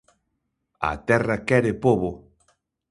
A terra quere pobo.